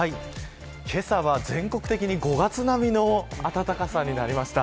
けさは全国的に５月並みの暖かさになりました。